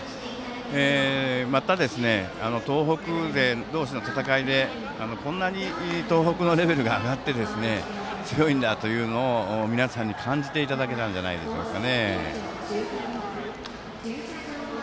また、東北勢同士の戦いでこんなに東北のレベルが上がって強いんだというのを皆さんに感じていただけたんじゃないでしょうか。